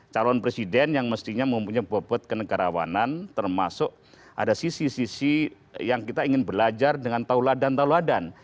calon presiden yang mestinya mempunyai bobot kenegarawanan termasuk ada sisi sisi yang kita ingin belajar dengan tauladan tauladan